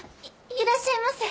いらっしゃいませ！